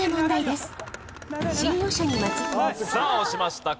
さあ押しました